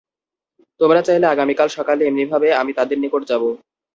তোমরা চাইলে আগামীকাল সকালে এমনিভাবে আমি তাদের নিকট যাব।